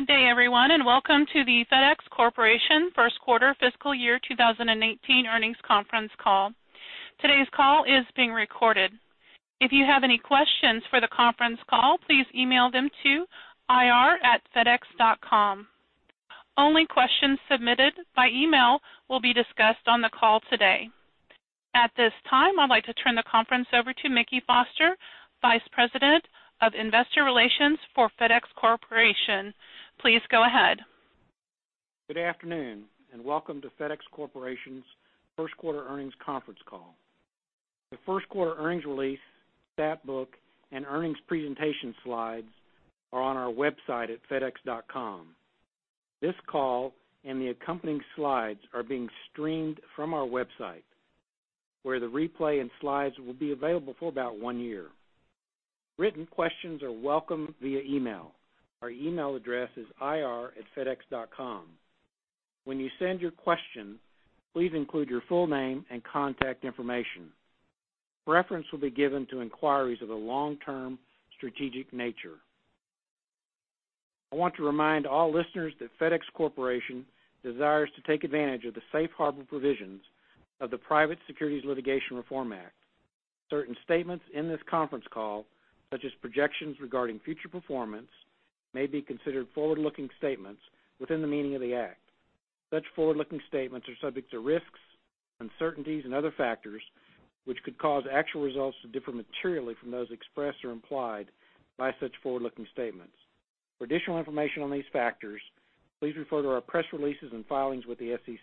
Good day, everyone, and welcome to the FedEx Corporation First Quarter Fiscal Year 2018 earnings conference call. Today's call is being recorded. If you have any questions for the conference call, please email them to ir@fedex.com. Only questions submitted by email will be discussed on the call today. At this time, I'd like to turn the conference over to Mickey Foster, Vice President of Investor Relations for FedEx Corporation. Please go ahead. Good afternoon, and welcome to FedEx Corporation's First Quarter Earnings Conference Call. The first quarter earnings release, stat book, and earnings presentation slides are on our website at fedex.com. This call and the accompanying slides are being streamed from our website, where the replay and slides will be available for about one year. Written questions are welcome via email. Our email address is ir@fedex.com. When you send your question, please include your full name and contact information. Reference will be given to inquiries of a long-term strategic nature. I want to remind all listeners that FedEx Corporation desires to take advantage of the safe harbor provisions of the Private Securities Litigation Reform Act of 1995. Certain statements in this conference call, such as projections regarding future performance, may be considered forward-looking statements within the meaning of the Act. Such forward-looking statements are subject to risks, uncertainties and other factors, which could cause actual results to differ materially from those expressed or implied by such forward-looking statements. For additional information on these factors, please refer to our press releases and filings with the SEC.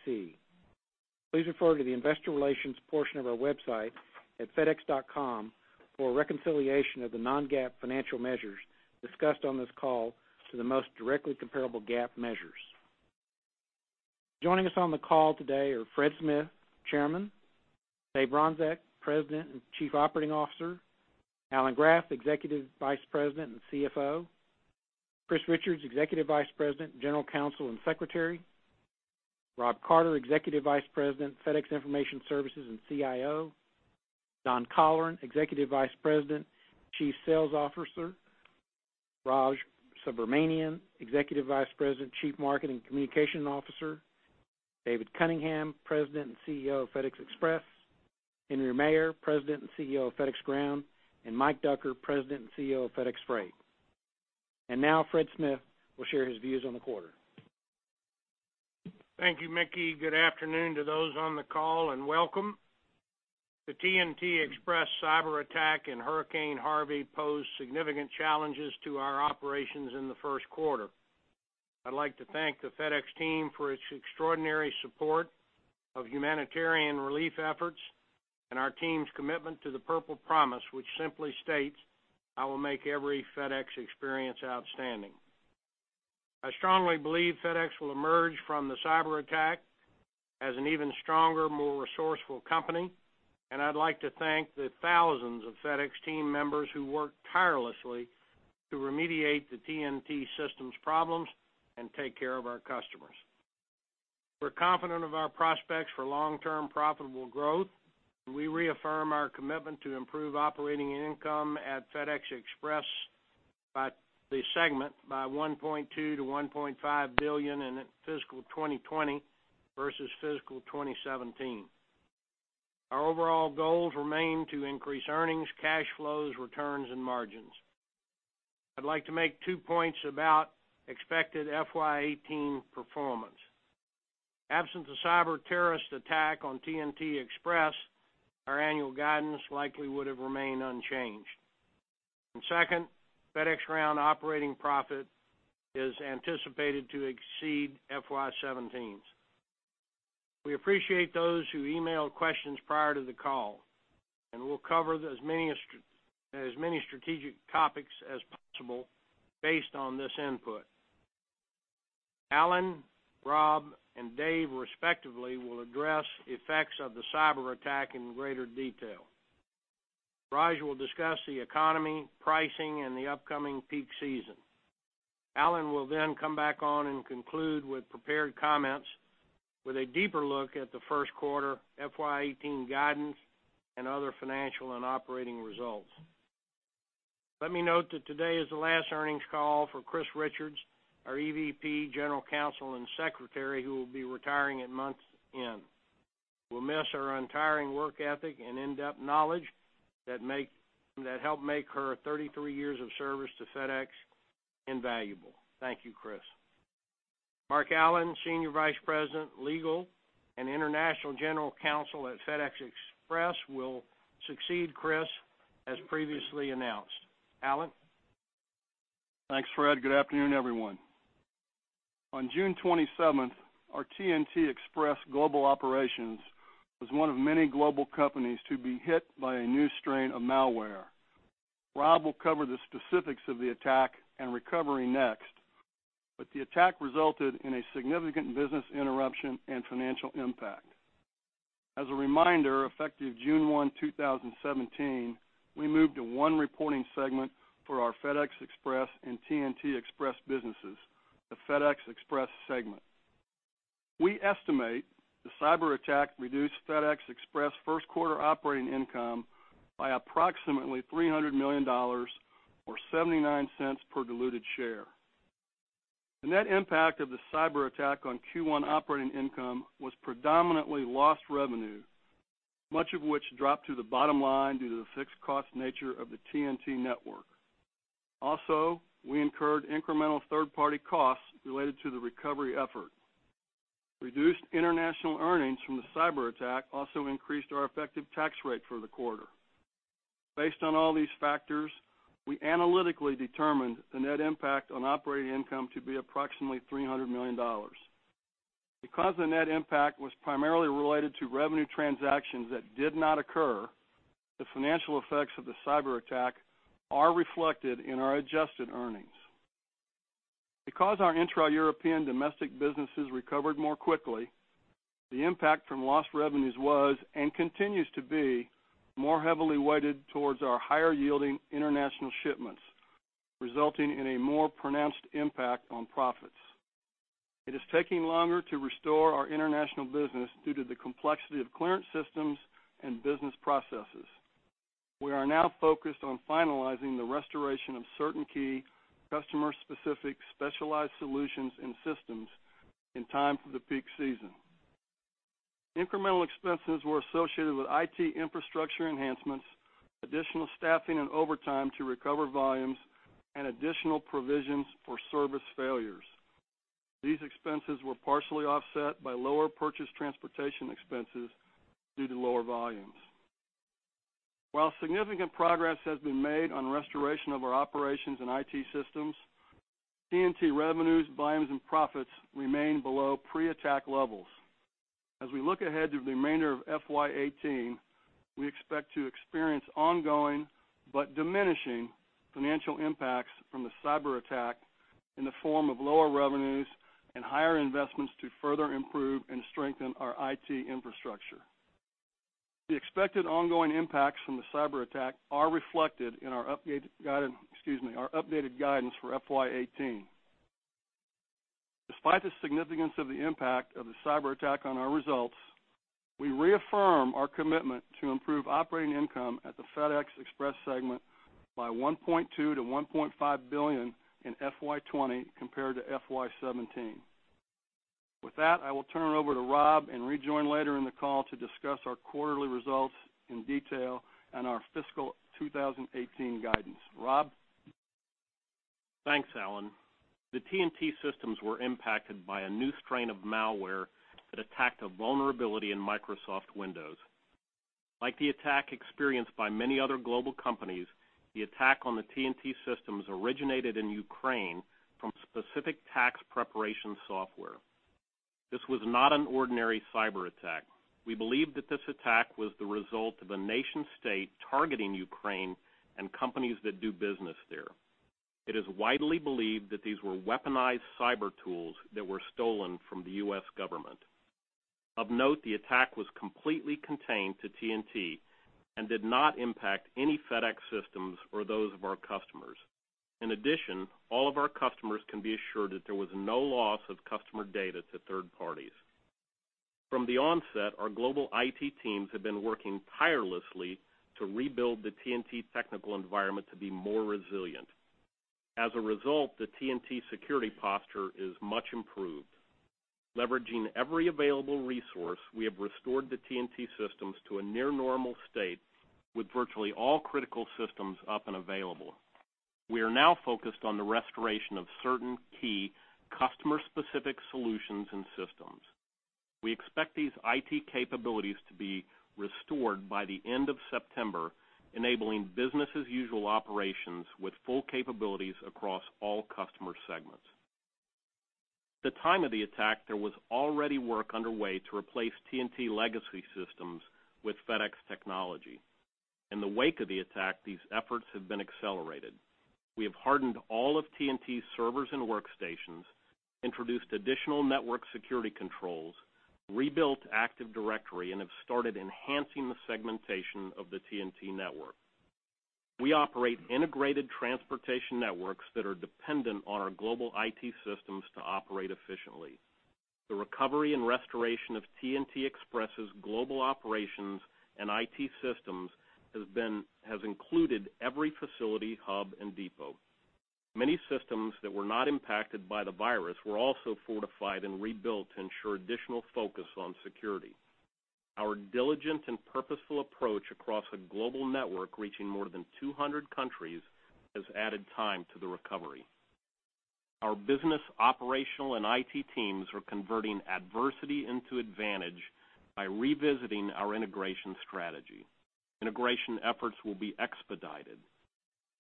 Please refer to the investor relations portion of our website at fedex.com for a reconciliation of the non-GAAP financial measures discussed on this call to the most directly comparable GAAP measures. Joining us on the call today are Fred Smith, Chairman; Dave Bronczek, President and Chief Operating Officer; Alan Graf, Executive Vice President and CFO; Chris Richards, Executive Vice President, General Counsel, and Secretary; Rob Carter, Executive Vice President, FedEx Information Services, and CIO; Don Colleran, Executive Vice President, Chief Sales Officer; Raj Subramanian, Executive Vice President, Chief Marketing and Communication Officer; David Cunningham, President and CEO of FedEx Express; Henry Maier, President and CEO of FedEx Ground; and Mike Ducker, President and CEO of FedEx Freight. Now Fred Smith will share his views on the quarter. Thank you, Mickey. Good afternoon to those on the call, and welcome. The TNT Express cyber attack and Hurricane Harvey posed significant challenges to our operations in the first quarter. I'd like to thank the FedEx team for its extraordinary support of humanitarian relief efforts and our team's commitment to the Purple Promise, which simply states, "I will make every FedEx experience outstanding." I strongly believe FedEx will emerge from the cyber attack as an even stronger, more resourceful company, and I'd like to thank the thousands of FedEx team members who worked tirelessly to remediate the TNT systems problems and take care of our customers. We're confident of our prospects for long-term profitable growth. We reaffirm our commitment to improve operating income at FedEx Express by the segment by $1.2 billion-$1.5 billion in fiscal 2020 versus fiscal 2017. Our overall goals remain to increase earnings, cash flows, returns, and margins. I'd like to make two points about expected FY 2018 performance. Absent the cyber terrorist attack on TNT Express, our annual guidance likely would have remained unchanged. Second, FedEx Ground operating profit is anticipated to exceed FY 2017's. We appreciate those who emailed questions prior to the call, and we'll cover as many strategic topics as possible based on this input. Alan, Rob, and Dave respectively will address the effects of the cyber attack in greater detail. Raj will discuss the economy, pricing, and the upcoming peak season. Alan will come back on and conclude with prepared comments with a deeper look at the first quarter FY 2018 guidance and other financial and operating results. Let me note that today is the last earnings call for Chris Richards, our EVP, General Counsel, and Secretary, who will be retiring at month's end. We'll miss her untiring work ethic and in-depth knowledge that helped make her 33 years of service to FedEx invaluable. Thank you, Chris. Mark Allen, Senior Vice President, Legal, and International General Counsel at FedEx Express will succeed Chris as previously announced. Alan? Thanks, Fred. Good afternoon, everyone. On June 27th, our TNT Express global operations was one of many global companies to be hit by a new strain of malware. Rob will cover the specifics of the attack and recovery next. The attack resulted in a significant business interruption and financial impact. As a reminder, effective June 1, 2017, we moved to one reporting segment for our FedEx Express and TNT Express businesses, the FedEx Express segment. We estimate the cyberattack reduced FedEx Express first quarter operating income by approximately $300 million or $0.79 per diluted share. The net impact of the cyberattack on Q1 operating income was predominantly lost revenue, much of which dropped to the bottom line due to the fixed cost nature of the TNT network. Also, we incurred incremental third-party costs related to the recovery effort. Reduced international earnings from the cyberattack also increased our effective tax rate for the quarter. Based on all these factors, we analytically determined the net impact on operating income to be approximately $300 million. Because the net impact was primarily related to revenue transactions that did not occur, the financial effects of the cyberattack are reflected in our adjusted earnings. Because our intra-European domestic businesses recovered more quickly, the impact from lost revenues was, and continues to be, more heavily weighted towards our higher-yielding international shipments, resulting in a more pronounced impact on profits. It is taking longer to restore our international business due to the complexity of clearance systems and business processes. We are now focused on finalizing the restoration of certain key customer-specific specialized solutions and systems in time for the peak season. Incremental expenses were associated with IT infrastructure enhancements, additional staffing and overtime to recover volumes, and additional provisions for service failures. These expenses were partially offset by lower purchase transportation expenses due to lower volumes. While significant progress has been made on restoration of our operations and IT systems, TNT revenues, volumes, and profits remain below pre-attack levels. As we look ahead to the remainder of FY 2018, we expect to experience ongoing but diminishing financial impacts from the cyberattack in the form of lower revenues and higher investments to further improve and strengthen our IT infrastructure. The expected ongoing impacts from the cyberattack are reflected in our updated guidance for FY 2018. Despite the significance of the impact of the cyberattack on our results, we reaffirm our commitment to improve operating income at the FedEx Express segment by $1.2 billion-$1.5 billion in FY 2020 compared to FY 2017. With that, I will turn it over to Rob and rejoin later in the call to discuss our quarterly results in detail and our fiscal 2018 guidance. Rob? Thanks, Alan. The TNT systems were impacted by a new strain of malware that attacked a vulnerability in Microsoft Windows. Like the attack experienced by many other global companies, the attack on the TNT systems originated in Ukraine from specific tax preparation software. This was not an ordinary cyberattack. We believe that this attack was the result of a nation-state targeting Ukraine and companies that do business there. It is widely believed that these were weaponized cyber tools that were stolen from the U.S. government. Of note, the attack was completely contained to TNT and did not impact any FedEx systems or those of our customers. In addition, all of our customers can be assured that there was no loss of customer data to third parties. From the onset, our global IT teams have been working tirelessly to rebuild the TNT technical environment to be more resilient. As a result, the TNT security posture is much improved. Leveraging every available resource, we have restored the TNT systems to a near normal state with virtually all critical systems up and available. We are now focused on the restoration of certain key customer-specific solutions and systems. We expect these IT capabilities to be restored by the end of September, enabling business as usual operations with full capabilities across all customer segments. At the time of the attack, there was already work underway to replace TNT legacy systems with FedEx technology. In the wake of the attack, these efforts have been accelerated. We have hardened all of TNT's servers and workstations, introduced additional network security controls, rebuilt Active Directory, and have started enhancing the segmentation of the TNT network. We operate integrated transportation networks that are dependent on our global IT systems to operate efficiently. The recovery and restoration of TNT Express' global operations and IT systems has included every facility, hub, and depot. Many systems that were not impacted by the virus were also fortified and rebuilt to ensure additional focus on security. Our diligent and purposeful approach across a global network reaching more than 200 countries has added time to the recovery. Our business operational and IT teams are converting adversity into advantage by revisiting our integration strategy. Integration efforts will be expedited.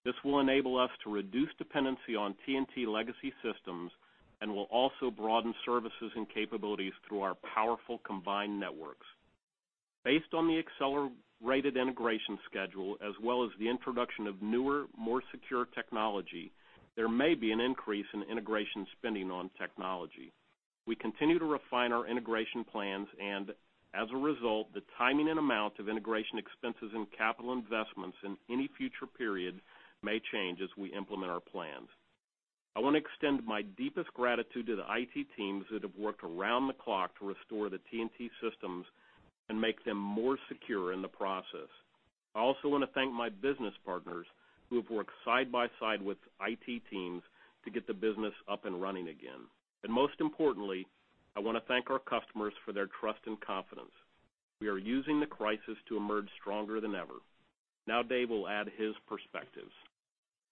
This will enable us to reduce dependency on TNT legacy systems and will also broaden services and capabilities through our powerful combined networks. Based on the accelerated integration schedule as well as the introduction of newer, more secure technology, there may be an increase in integration spending on technology. We continue to refine our integration plans and, as a result, the timing and amount of integration expenses and capital investments in any future period may change as we implement our plans. I want to extend my deepest gratitude to the IT teams that have worked around the clock to restore the TNT systems and make them more secure in the process. I also want to thank my business partners who have worked side by side with IT teams to get the business up and running again. Most importantly, I want to thank our customers for their trust and confidence. We are using the crisis to emerge stronger than ever. Now Dave will add his perspectives.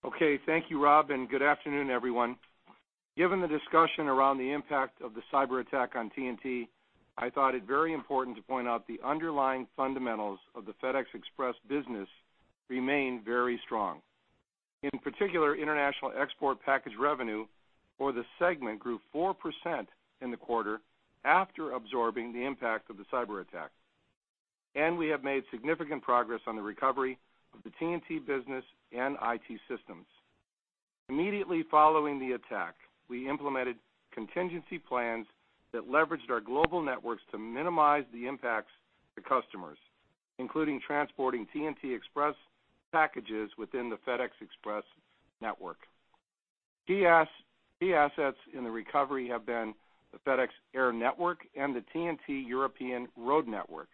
Okay. Thank you, Rob, and good afternoon, everyone. Given the discussion around the impact of the cyberattack on TNT, I thought it very important to point out the underlying fundamentals of the FedEx Express business remain very strong. In particular, international export package revenue for the segment grew 4% in the quarter after absorbing the impact of the cyberattack. We have made significant progress on the recovery of the TNT business and IT systems. Immediately following the attack, we implemented contingency plans that leveraged our global networks to minimize the impacts to customers, including transporting TNT Express packages within the FedEx Express network. Key assets in the recovery have been the FedEx Air network and the TNT European road network,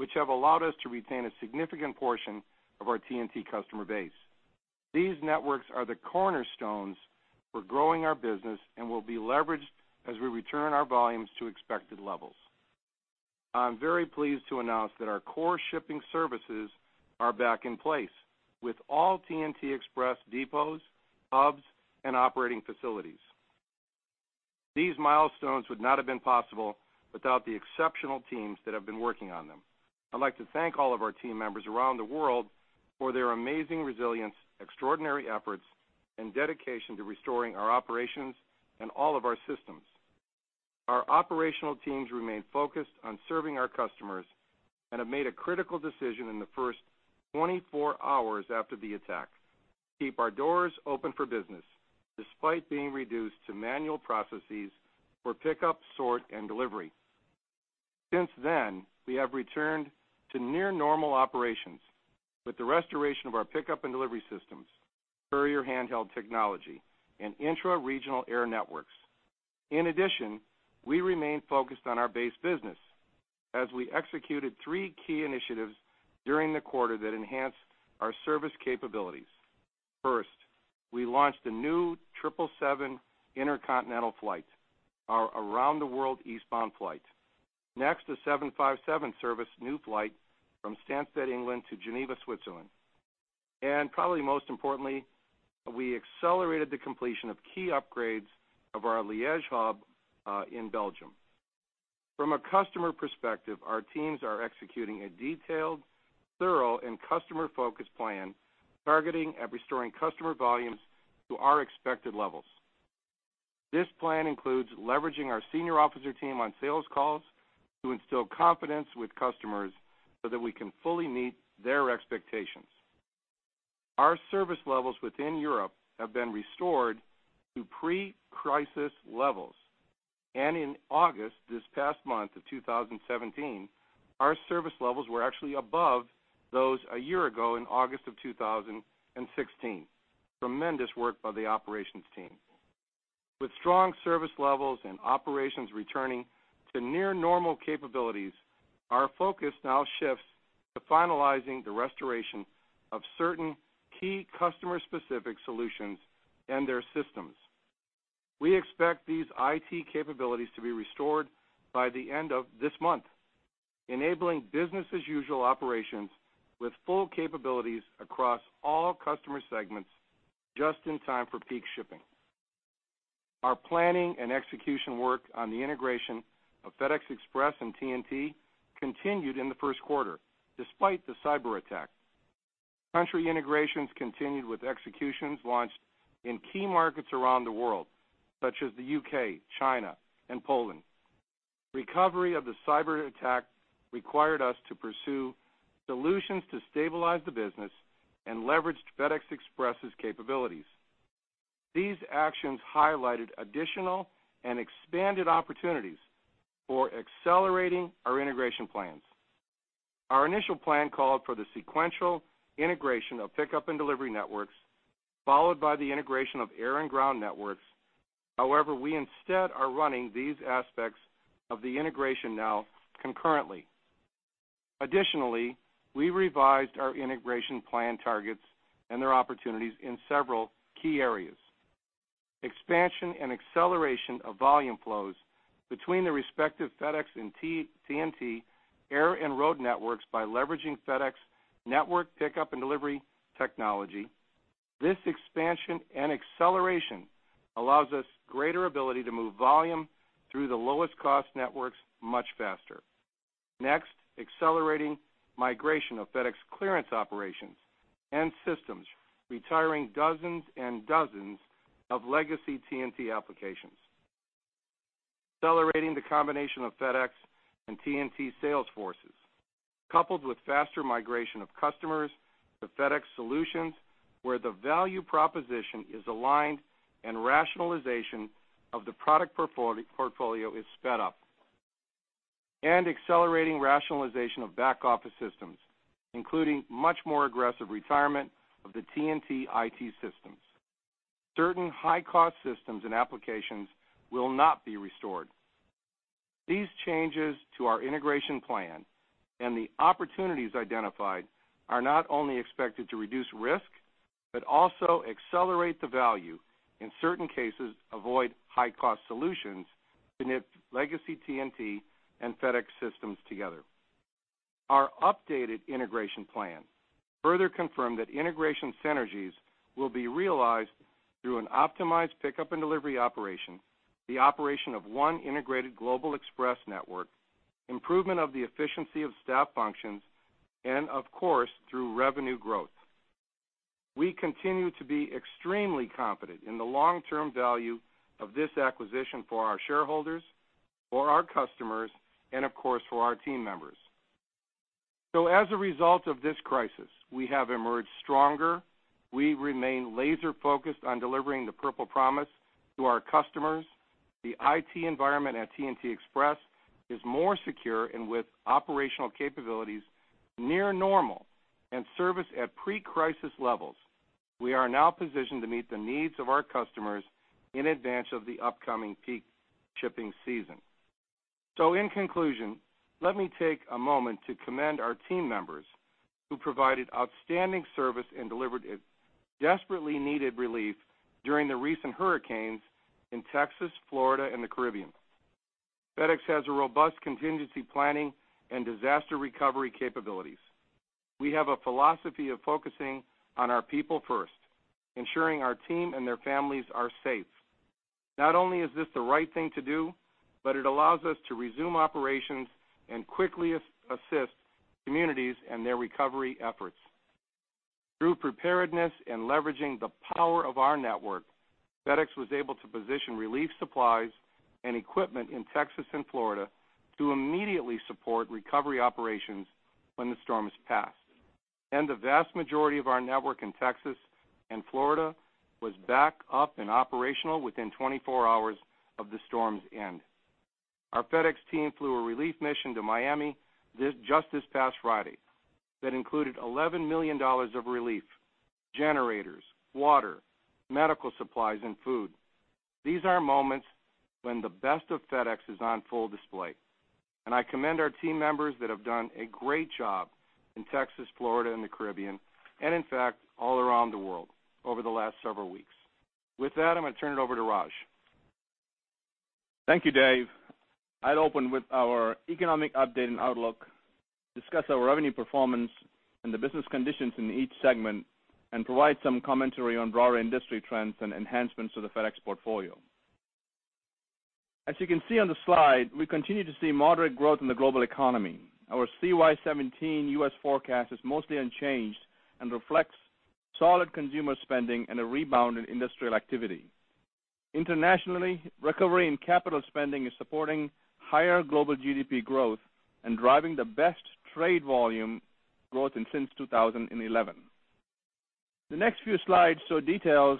which have allowed us to retain a significant portion of our TNT customer base. These networks are the cornerstones for growing our business and will be leveraged as we return our volumes to expected levels. I'm very pleased to announce that our core shipping services are back in place, with all TNT Express depots, hubs, and operating facilities. These milestones would not have been possible without the exceptional teams that have been working on them. I'd like to thank all of our team members around the world for their amazing resilience, extraordinary efforts, and dedication to restoring our operations and all of our systems. Our operational teams remain focused on serving our customers and have made a critical decision in the first 24 hours after the attack to keep our doors open for business, despite being reduced to manual processes for pickup, sort, and delivery. Since then, we have returned to near normal operations with the restoration of our pickup and delivery systems, courier handheld technology, and intra-regional air networks. In addition, we remain focused on our base business as we executed three key initiatives during the quarter that enhanced our service capabilities. First, we launched a new 777 intercontinental flight, our around the world eastbound flight. Next, a 757 service new flight from Stansted, England, to Geneva, Switzerland. Probably most importantly, we accelerated the completion of key upgrades of our Liege hub in Belgium. From a customer perspective, our teams are executing a detailed, thorough, and customer-focused plan targeting and restoring customer volumes to our expected levels. This plan includes leveraging our senior officer team on sales calls to instill confidence with customers so that we can fully meet their expectations. Our service levels within Europe have been restored to pre-crisis levels. In August this past month of 2017, our service levels were actually above those a year ago in August of 2016. Tremendous work by the operations team. With strong service levels and operations returning to near normal capabilities, our focus now shifts to finalizing the restoration of certain key customer-specific solutions and their systems. We expect these IT capabilities to be restored by the end of this month, enabling business as usual operations with full capabilities across all customer segments just in time for peak shipping. Our planning and execution work on the integration of FedEx Express and TNT continued in the first quarter, despite the cyberattack. Country integrations continued with executions launched in key markets around the world, such as the U.K., China, and Poland. Recovery of the cyberattack required us to pursue solutions to stabilize the business and leveraged FedEx Express's capabilities. These actions highlighted additional and expanded opportunities for accelerating our integration plans. Our initial plan called for the sequential integration of pickup and delivery networks, followed by the integration of air and ground networks. However, we instead are running these aspects of the integration now concurrently. Additionally, we revised our integration plan targets and their opportunities in several key areas. Expansion and acceleration of volume flows between the respective FedEx and TNT air and road networks by leveraging FedEx network pickup and delivery technology. This expansion and acceleration allows us greater ability to move volume through the lowest cost networks much faster. Accelerating migration of FedEx clearance operations and systems, retiring dozens and dozens of legacy TNT applications. Accelerating the combination of FedEx and TNT sales forces, coupled with faster migration of customers to FedEx Solutions where the value proposition is aligned and rationalization of the product portfolio is sped up. Accelerating rationalization of back-office systems, including much more aggressive retirement of the TNT IT systems. Certain high-cost systems and applications will not be restored. These changes to our integration plan and the opportunities identified are not only expected to reduce risk, but also accelerate the value, in certain cases, avoid high-cost solutions to knit legacy TNT and FedEx systems together. Our updated integration plan further confirmed that integration synergies will be realized through an optimized pickup and delivery operation, the operation of one integrated global express network, improvement of the efficiency of staff functions, and of course, through revenue growth. We continue to be extremely confident in the long-term value of this acquisition for our shareholders, for our customers, and of course, for our team members. As a result of this crisis, we have emerged stronger. We remain laser-focused on delivering the Purple Promise to our customers. The IT environment at TNT Express is more secure and with operational capabilities near normal and service at pre-crisis levels. We are now positioned to meet the needs of our customers in advance of the upcoming peak shipping season. In conclusion, let me take a moment to commend our team members who provided outstanding service and delivered a desperately needed relief during the recent hurricanes in Texas, Florida, and the Caribbean. FedEx has a robust contingency planning and disaster recovery capabilities. We have a philosophy of focusing on our people first, ensuring our team and their families are safe. Not only is this the right thing to do, but it allows us to resume operations and quickly assist communities and their recovery efforts. Through preparedness and leveraging the power of our network, FedEx was able to position relief supplies and equipment in Texas and Florida to immediately support recovery operations when the storms passed. The vast majority of our network in Texas and Florida was back up and operational within 24 hours of the storm's end. Our FedEx team flew a relief mission to Miami just this past Friday that included $11 million of relief, generators, water, medical supplies, and food. These are moments when the best of FedEx is on full display. I commend our team members that have done a great job in Texas, Florida, and the Caribbean, and in fact, all around the world over the last several weeks. With that, I'm going to turn it over to Raj. Thank you, Dave. I'll open with our economic update and outlook, discuss our revenue performance and the business conditions in each segment, and provide some commentary on broader industry trends and enhancements to the FedEx portfolio. As you can see on the slide, we continue to see moderate growth in the global economy. Our CY 2017 U.S. forecast is mostly unchanged and reflects solid consumer spending and a rebound in industrial activity. Internationally, recovery in capital spending is supporting higher global GDP growth and driving the best trade volume growth since 2011. The next few slides show details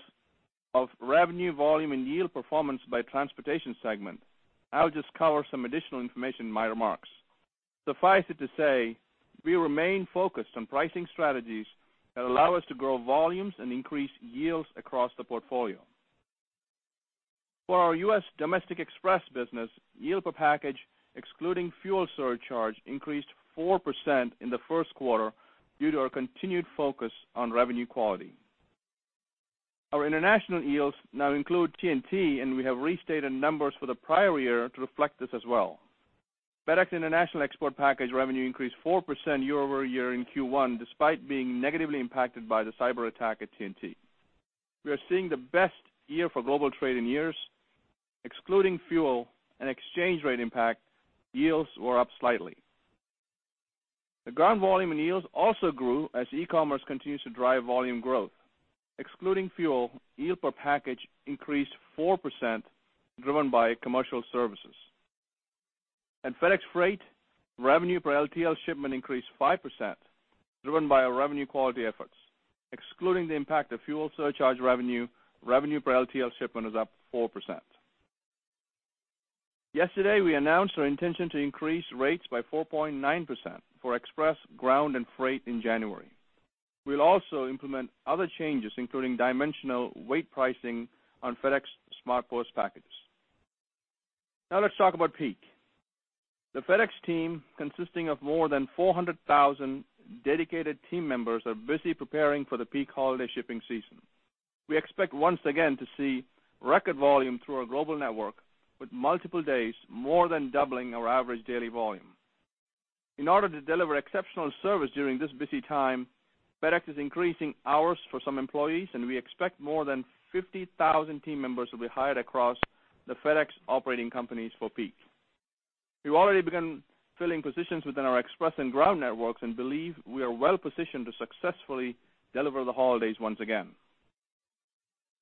of revenue volume and yield performance by transportation segment. I'll just cover some additional information in my remarks. Suffice it to say, we remain focused on pricing strategies that allow us to grow volumes and increase yields across the portfolio. For our U.S. Domestic Express business, yield per package, excluding fuel surcharge, increased 4% in the first quarter due to our continued focus on revenue quality. Our international yields now include TNT, and we have restated numbers for the prior year to reflect this as well. FedEx International Export package revenue increased 4% year-over-year in Q1, despite being negatively impacted by the cyberattack at TNT. We are seeing the best year for global trade in years. Excluding fuel and exchange rate impact, yields were up slightly. The FedEx Ground volume and yields also grew as e-commerce continues to drive volume growth. Excluding fuel, yield per package increased 4%, driven by commercial services. At FedEx Freight, revenue per LTL shipment increased 5%, driven by our revenue quality efforts. Excluding the impact of fuel surcharge revenue per LTL shipment is up 4%. Yesterday, we announced our intention to increase rates by 4.9% for FedEx Express, FedEx Ground, and FedEx Freight in January. We'll also implement other changes, including dimensional weight pricing on FedEx SmartPost packages. Now let's talk about peak. The FedEx team, consisting of more than 400,000 dedicated team members, are busy preparing for the peak holiday shipping season. We expect, once again, to see record volume through our global network, with multiple days more than doubling our average daily volume. In order to deliver exceptional service during this busy time, FedEx is increasing hours for some employees, and we expect more than 50,000 team members will be hired across the FedEx operating companies for peak. We've already begun filling positions within our FedEx Express and FedEx Ground networks and believe we are well positioned to successfully deliver the holidays once again.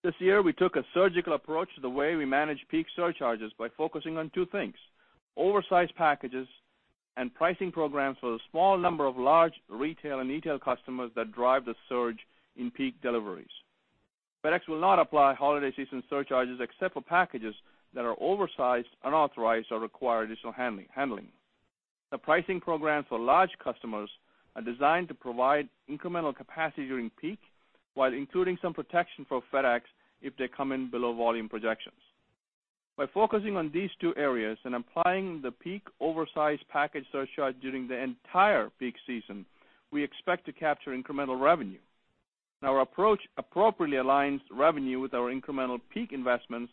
This year, we took a surgical approach to the way we manage peak surcharges by focusing on two things: oversize packages and pricing programs for the small number of large retail and e-tail customers that drive the surge in peak deliveries. FedEx will not apply holiday season surcharges except for packages that are oversized, unauthorized, or require additional handling. The pricing programs for large customers are designed to provide incremental capacity during peak, while including some protection for FedEx if they come in below volume projections. By focusing on these two areas and applying the peak oversized package surcharge during the entire peak season, we expect to capture incremental revenue. Our approach appropriately aligns revenue with our incremental peak investments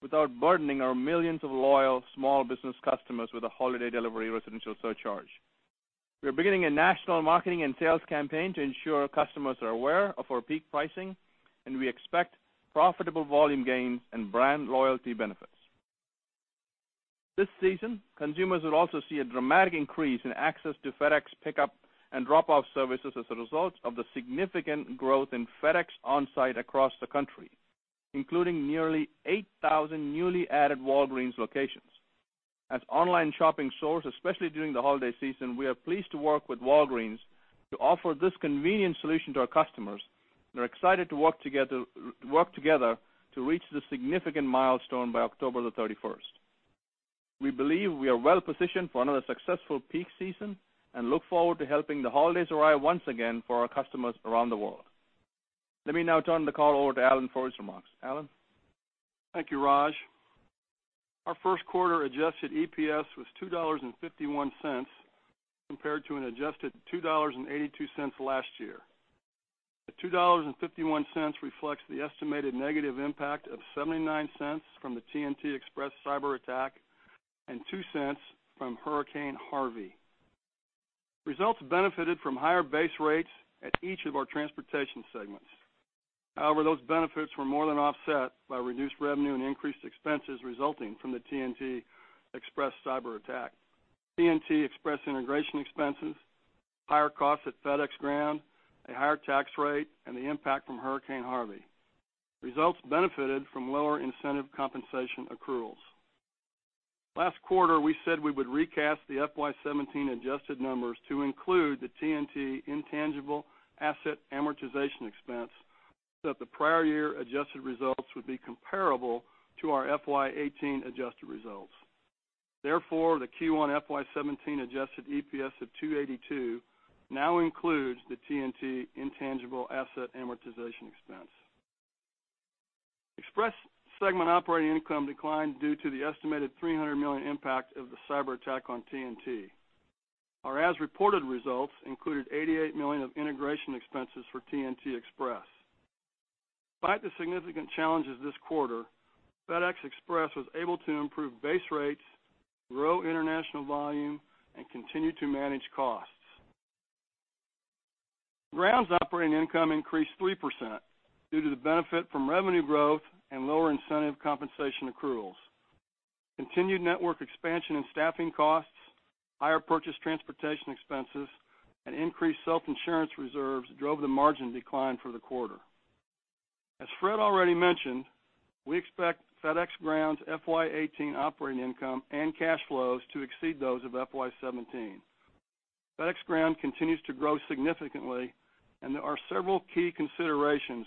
without burdening our millions of loyal small business customers with a holiday delivery residential surcharge. We are beginning a national marketing and sales campaign to ensure customers are aware of our peak pricing, and we expect profitable volume gains and brand loyalty benefits. This season, consumers will also see a dramatic increase in access to FedEx pickup and drop-off services as a result of the significant growth in FedEx OnSite across the country, including nearly 8,000 newly added Walgreens locations. As online shopping soars, especially during the holiday season, we are pleased to work with Walgreens to offer this convenient solution to our customers. We are excited to work together to reach this significant milestone by October the 31st. We believe we are well positioned for another successful peak season and look forward to helping the holidays arrive once again for our customers around the world. Let me now turn the call over to Alan for his remarks. Alan? Thank you, Raj. Our first quarter adjusted EPS was $2.51 compared to an adjusted $2.82 last year. The $2.51 reflects the estimated negative impact of $0.79 from the TNT Express cyber attack and $0.02 from Hurricane Harvey. Results benefited from higher base rates at each of our transportation segments. However, those benefits were more than offset by reduced revenue and increased expenses resulting from the TNT Express cyber attack, TNT Express integration expenses, higher costs at FedEx Ground, a higher tax rate, and the impact from Hurricane Harvey. Results benefited from lower incentive compensation accruals. Last quarter, we said we would recast the FY 2017 adjusted numbers to include the TNT intangible asset amortization expense so that the prior year adjusted results would be comparable to our FY 2018 adjusted results. Therefore, the Q1 FY 2017 adjusted EPS of $2.82 now includes the TNT intangible asset amortization expense. Express segment operating income declined due to the estimated $300 million impact of the cyber attack on TNT. Our as-reported results included $88 million of integration expenses for TNT Express. Despite the significant challenges this quarter, FedEx Express was able to improve base rates, grow international volume, and continue to manage costs. Ground's operating income increased 3% due to the benefit from revenue growth and lower incentive compensation accruals. Continued network expansion and staffing costs, higher purchase transportation expenses, and increased self-insurance reserves drove the margin decline for the quarter. As Fred already mentioned, we expect FedEx Ground's FY 2018 operating income and cash flows to exceed those of FY 2017. FedEx Ground continues to grow significantly, and there are several key considerations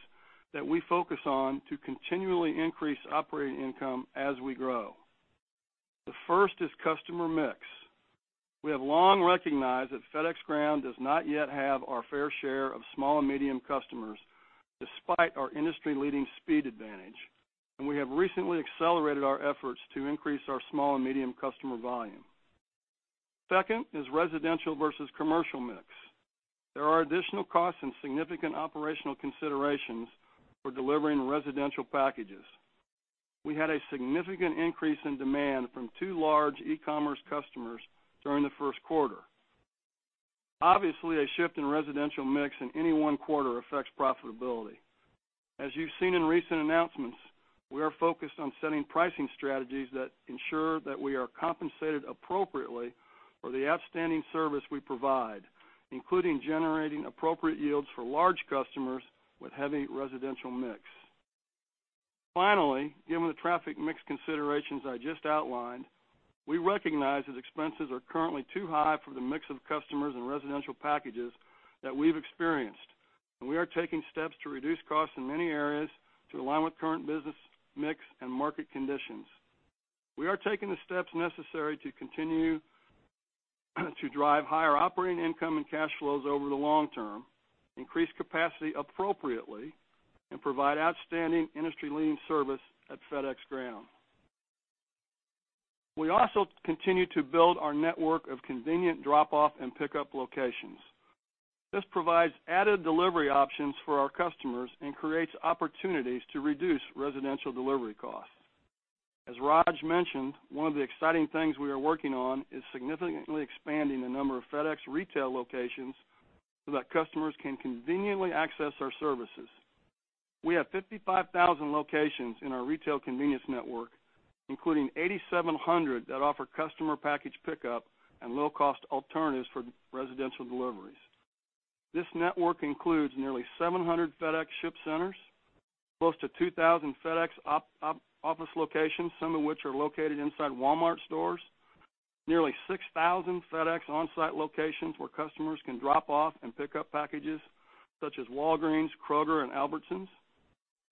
that we focus on to continually increase operating income as we grow. The first is customer mix. We have long recognized that FedEx Ground does not yet have our fair share of small and medium customers, despite our industry-leading speed advantage, and we have recently accelerated our efforts to increase our small and medium customer volume. Second is residential versus commercial mix. There are additional costs and significant operational considerations for delivering residential packages. We had a significant increase in demand from two large e-commerce customers during the first quarter. Obviously, a shift in residential mix in any one quarter affects profitability. As you have seen in recent announcements, we are focused on setting pricing strategies that ensure that we are compensated appropriately for the outstanding service we provide, including generating appropriate yields for large customers with heavy residential mix. Given the traffic mix considerations I just outlined, we recognize that expenses are currently too high for the mix of customers and residential packages that we've experienced, and we are taking steps to reduce costs in many areas to align with current business mix and market conditions. We are taking the steps necessary to continue to drive higher operating income and cash flows over the long term, increase capacity appropriately, and provide outstanding industry-leading service at FedEx Ground. We also continue to build our network of convenient drop-off and pickup locations. This provides added delivery options for our customers and creates opportunities to reduce residential delivery costs. As Raj mentioned, one of the exciting things we are working on is significantly expanding the number of FedEx retail locations so that customers can conveniently access our services. We have 55,000 locations in our retail convenience network, including 8,700 that offer customer package pickup and low-cost alternatives for residential deliveries. This network includes nearly 700 FedEx Ship Centers, close to 2,000 FedEx Office locations, some of which are located inside Walmart stores. Nearly 6,000 FedEx OnSite locations where customers can drop off and pick up packages, such as Walgreens, Kroger, and Albertsons.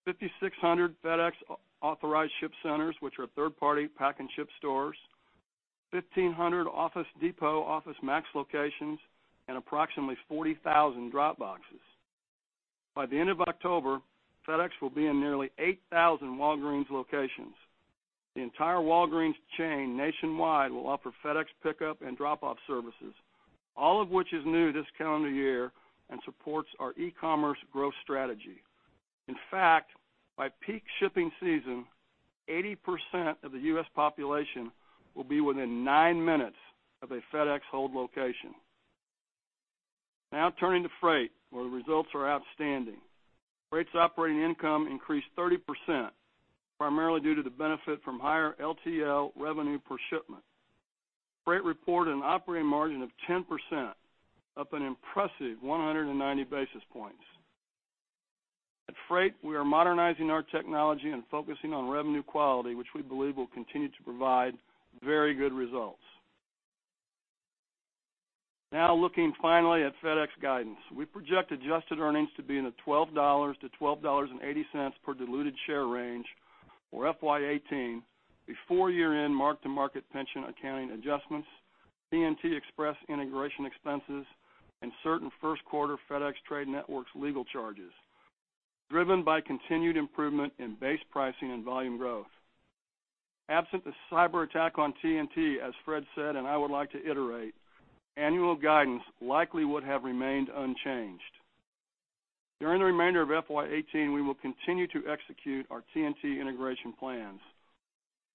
5,600 FedEx Authorized ShipCenters, which are third-party pack and ship stores, 1,500 Office Depot OfficeMax locations, and approximately 40,000 drop boxes. By the end of October, FedEx will be in nearly 8,000 Walgreens locations. The entire Walgreens chain nationwide will offer FedEx pickup and drop-off services, all of which is new this calendar year and supports our e-commerce growth strategy. In fact, by peak shipping season, 80% of the U.S. population will be within nine minutes of a FedEx hold location. Turning to Freight, where the results are outstanding. Freight's operating income increased 30%, primarily due to the benefit from higher LTL revenue per shipment. Freight reported an operating margin of 10%, up an impressive 190 basis points. At Freight, we are modernizing our technology and focusing on revenue quality, which we believe will continue to provide very good results. Looking finally at FedEx guidance. We project adjusted earnings to be in the $12 to $12.80 per diluted share range for FY 2018 before year-end mark-to-market pension accounting adjustments, TNT Express integration expenses, and certain first quarter FedEx Trade Networks legal charges, driven by continued improvement in base pricing and volume growth. Absent the cyber attack on TNT, as Fred said and I would like to iterate, annual guidance likely would have remained unchanged. During the remainder of FY 2018, we will continue to execute our TNT integration plans.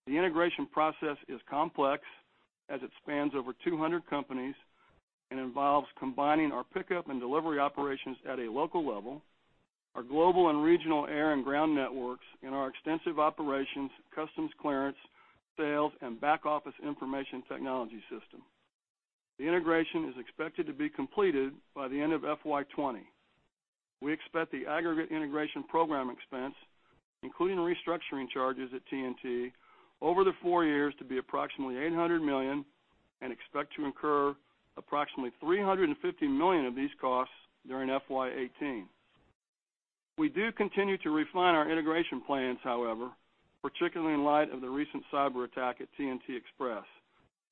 The integration process is complex as it spans over 200 companies and involves combining our pickup and delivery operations at a local level, our global and regional air and ground networks, and our extensive operations, customs clearance, sales, and back-office information technology system. The integration is expected to be completed by the end of FY 2020. We expect the aggregate integration program expense, including restructuring charges at TNT over the four years, to be approximately $800 million and expect to incur approximately $350 million of these costs during FY 2018. We do continue to refine our integration plans, however, particularly in light of the recent cyber attack at TNT Express.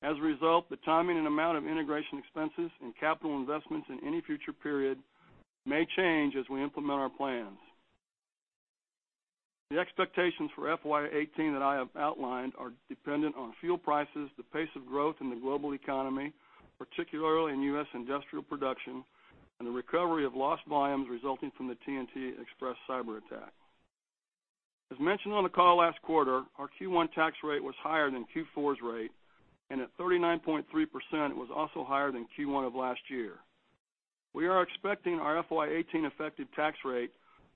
The timing and amount of integration expenses and capital investments in any future period may change as we implement our plans. The expectations for FY 2018 that I have outlined are dependent on fuel prices, the pace of growth in the global economy, particularly in U.S. industrial production, and the recovery of lost volumes resulting from the TNT Express cyber attack. As mentioned on the call last quarter, our Q1 tax rate was higher than Q4's rate, and at 39.3%, it was also higher than Q1 of last year. We are expecting our FY 2018 effective tax rate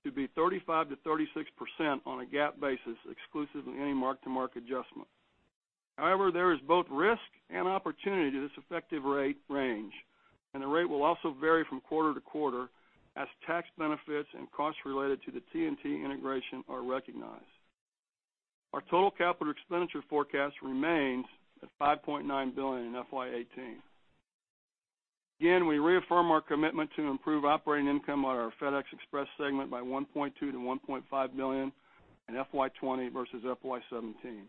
to be 35%-36% on a GAAP basis, exclusive of any mark-to-market adjustment. There is both risk and opportunity to this effective rate range, and the rate will also vary from quarter to quarter as tax benefits and costs related to the TNT integration are recognized. Our total capital expenditure forecast remains at $5.9 billion in FY 2018. We reaffirm our commitment to improve operating income on our FedEx Express segment by $1.2 billion-$1.5 billion in FY 2020 versus FY 2017.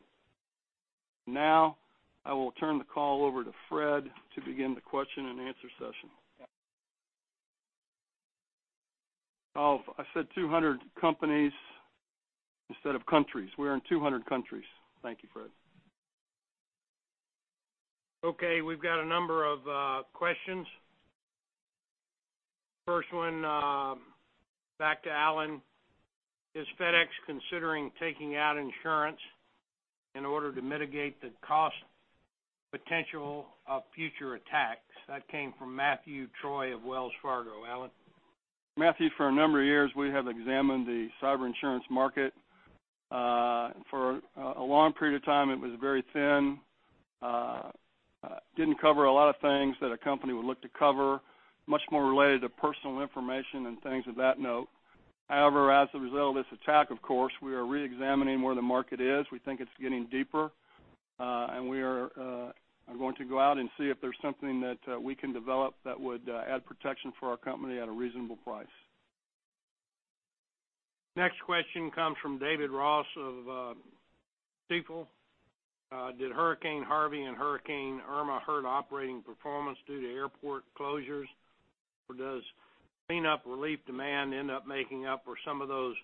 I will turn the call over to Fred to begin the question and answer session. Oh, I said 200 companies instead of countries. We're in 200 countries. Thank you, Fred. We've got a number of questions. First one, back to Alan. Is FedEx considering taking out insurance in order to mitigate the cost potential of future attacks? That came from Matthew Troy of Wells Fargo. Alan? Matthew, for a number of years, we have examined the cyber insurance market. For a long period of time, it was very thin, didn't cover a lot of things that a company would look to cover, much more related to personal information and things of that note. As a result of this attack, of course, we are reexamining where the market is. We think it's getting deeper. We are going to go out and see if there's something that we can develop that would add protection for our company at a reasonable price. Next question comes from David Ross of Stifel. Did Hurricane Harvey and Hurricane Irma hurt operating performance due to airport closures? Does cleanup relief demand end up making up for some of those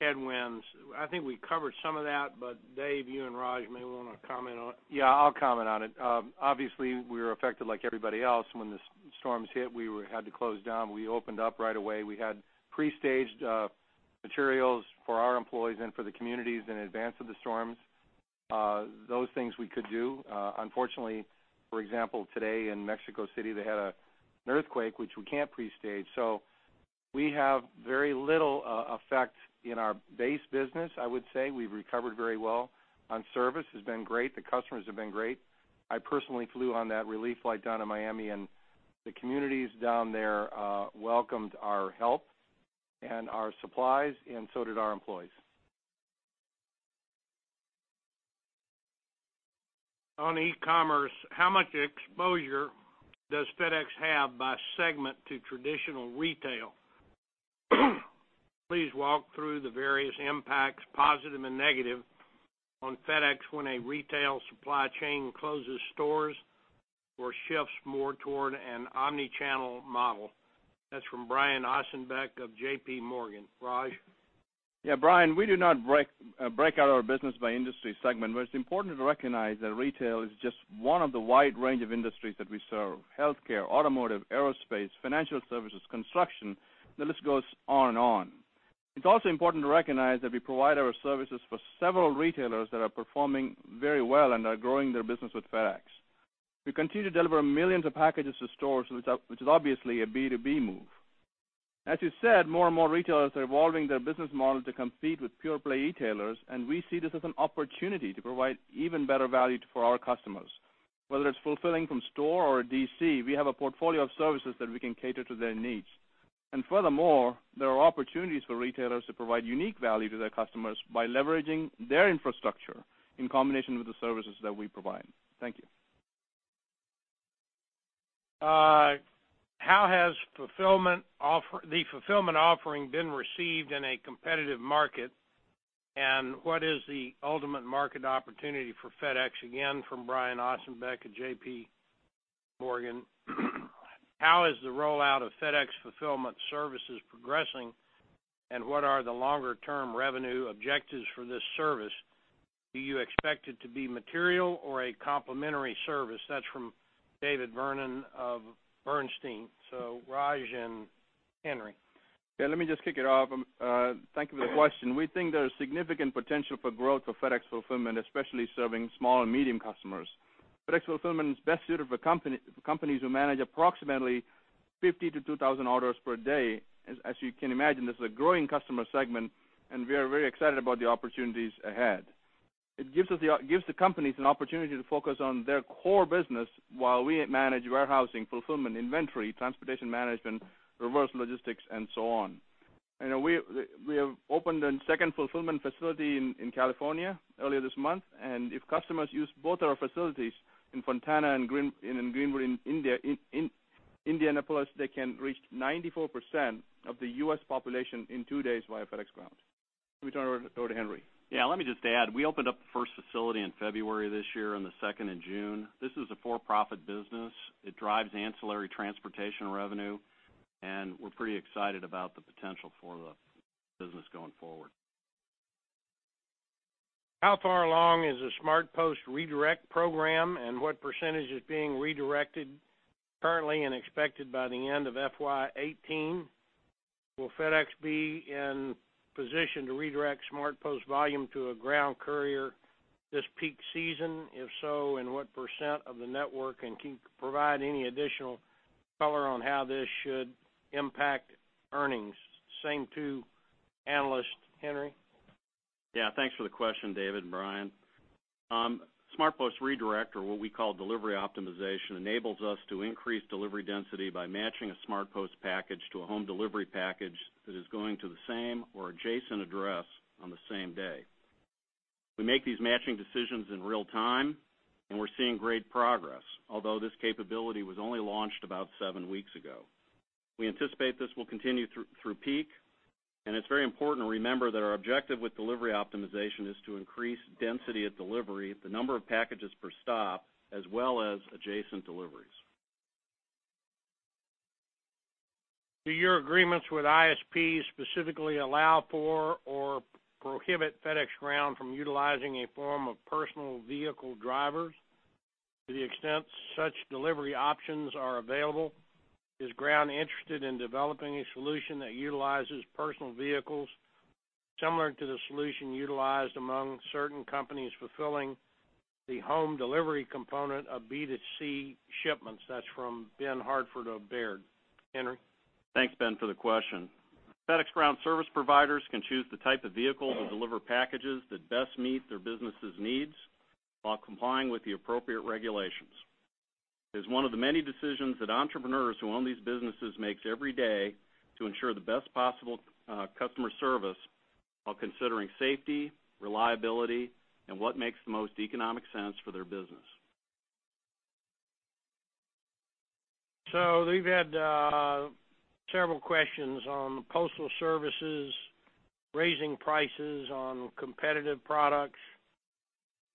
headwinds? I think we covered some of that, but Dave, you and Raj may want to comment on it. Yeah, I'll comment on it. Obviously, we were affected like everybody else. When the storms hit, we had to close down. We opened up right away. We had pre-staged materials for our employees and for the communities in advance of the storms. Those things we could do. Unfortunately, for example, today in Mexico City, they had an earthquake, which we can't pre-stage. We have very little effect in our base business, I would say. We've recovered very well. On service, it's been great. The customers have been great. I personally flew on that relief flight down to Miami, and the communities down there welcomed our help and our supplies, and so did our employees. On e-commerce, how much exposure does FedEx have by segment to traditional retail? Please walk through the various impacts, positive and negative, on FedEx when a retail supply chain closes stores or shifts more toward an omni-channel model. That's from Brian Ossenbeck of JP Morgan. Raj? Yeah, Brian, we do not break out our business by industry segment, it's important to recognize that retail is just one of the wide range of industries that we serve. Healthcare, automotive, aerospace, financial services, construction. The list goes on and on. It's also important to recognize that we provide our services for several retailers that are performing very well and are growing their business with FedEx. We continue to deliver millions of packages to stores, which is obviously a B2B move. As you said, more and more retailers are evolving their business model to compete with pure-play e-tailers, we see this as an opportunity to provide even better value for our customers. Whether it's fulfilling from store or DC, we have a portfolio of services that we can cater to their needs. Furthermore, there are opportunities for retailers to provide unique value to their customers by leveraging their infrastructure in combination with the services that we provide. Thank you. How has the fulfillment offering been received in a competitive market, and what is the ultimate market opportunity for FedEx? Again, from Brian Ossenbeck at JP Morgan. How is the rollout of FedEx Fulfillment Services progressing, and what are the longer-term revenue objectives for this service? Do you expect it to be material or a complementary service? That's from David Vernon of Bernstein. Raj and Henry. Let me just kick it off. Thank you for the question. We think there's significant potential for growth for FedEx Fulfillment, especially serving small and medium customers. FedEx Fulfillment is best suited for companies who manage approximately 50 to 2,000 orders per day. As you can imagine, this is a growing customer segment, and we are very excited about the opportunities ahead. It gives the companies an opportunity to focus on their core business while we manage warehousing, fulfillment, inventory, transportation management, reverse logistics, and so on. We have opened a second fulfillment facility in California earlier this month, and if customers use both our facilities in Fontana and in Greenwood, Indianapolis, they can reach 94% of the U.S. population in two days via FedEx Ground. Let me turn it over to Henry. Let me just add, we opened up the first facility in February this year and the second in June. This is a for-profit business. It drives ancillary transportation revenue, and we're pretty excited about the potential for the business going forward. How far along is the SmartPost Redirect program, and what % is being redirected currently and expected by the end of FY 2018? Will FedEx be in position to redirect SmartPost volume to a ground courier this peak season? If so, in what % of the network? Can you provide any additional color on how this should impact earnings? Same two analysts. Henry? Yeah, thanks for the question, David and Brian. SmartPost Redirect, or what we call delivery optimization, enables us to increase delivery density by matching a SmartPost package to a home delivery package that is going to the same or adjacent address on the same day. We make these matching decisions in real time, and we're seeing great progress. Although this capability was only launched about seven weeks ago. We anticipate this will continue through peak, and it's very important to remember that our objective with delivery optimization is to increase density at delivery, the number of packages per stop, as well as adjacent deliveries. Do your agreements with ISPs specifically allow for or prohibit FedEx Ground from utilizing a form of personal vehicle drivers? To the extent such delivery options are available, is Ground interested in developing a solution that utilizes personal vehicles similar to the solution utilized among certain companies fulfilling the home delivery component of B2C shipments? That's from Benjamin Hartford of Baird. Henry? Thanks, Ben, for the question. FedEx Ground service providers can choose the type of vehicle to deliver packages that best meet their business' needs while complying with the appropriate regulations. It's one of the many decisions that entrepreneurs who own these businesses make every day to ensure the best possible customer service while considering safety, reliability, and what makes the most economic sense for their business. We've had several questions on USPS raising prices on competitive products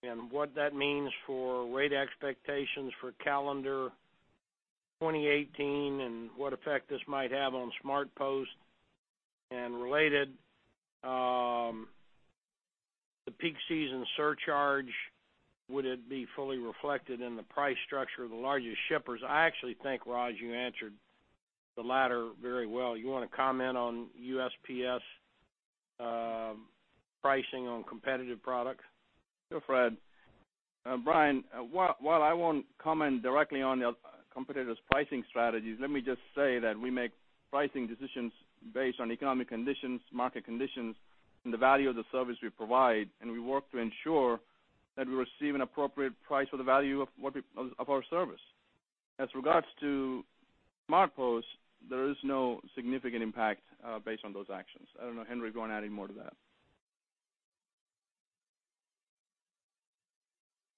and what that means for rate expectations for calendar 2018 and what effect this might have on SmartPost. Related, the peak season surcharge, would it be fully reflected in the price structure of the largest shippers? I actually think, Raj, you answered the latter very well. You want to comment on USPS pricing on competitive products? Sure, Fred. Brian, while I won't comment directly on the competitor's pricing strategies, let me just say that we make pricing decisions based on economic conditions, market conditions, and the value of the service we provide. We work to ensure that we receive an appropriate price for the value of our service. As regards to SmartPost, there is no significant impact based on those actions. I don't know, Henry, if you want to add any more to that.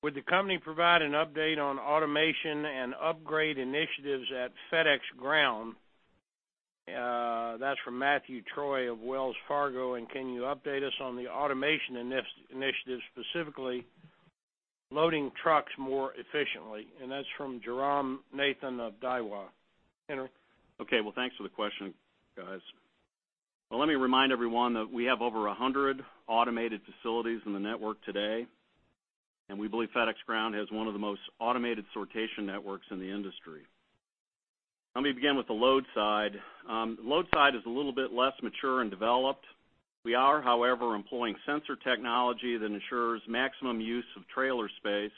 Would the company provide an update on automation and upgrade initiatives at FedEx Ground? That's from Matthew Troy of Wells Fargo. Can you update us on the automation initiatives, specifically loading trucks more efficiently? That's from Jairam Nathan of Daiwa. Henry? Okay. Well, thanks for the question, guys. Well, let me remind everyone that we have over 100 automated facilities in the network today, and we believe FedEx Ground has one of the most automated sortation networks in the industry. Let me begin with the load side. Load side is a little bit less mature and developed. We are, however, employing sensor technology that ensures maximum use of trailer space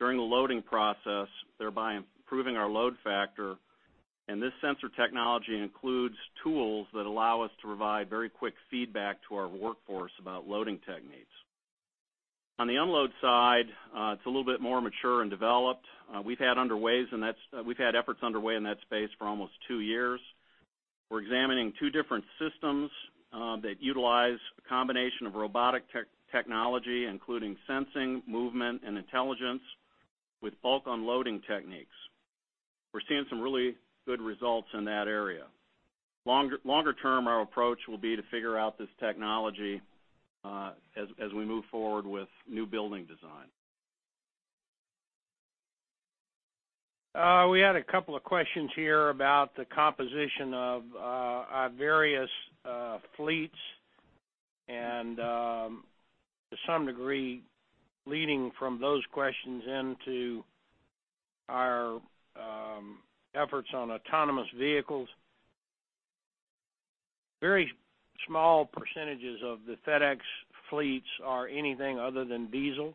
during the loading process, thereby improving our load factor. This sensor technology includes tools that allow us to provide very quick feedback to our workforce about loading techniques. On the unload side, it's a little bit more mature and developed. We've had efforts underway in that space for almost two years. We're examining two different systems that utilize a combination of robotic technology, including sensing, movement, and intelligence with bulk unloading techniques. We're seeing some really good results in that area. Longer term, our approach will be to figure out this technology as we move forward with new building design. We had a couple of questions here about the composition of our various fleets, and to some degree, leading from those questions into our efforts on autonomous vehicles. Very small percentages of the FedEx fleets are anything other than diesel.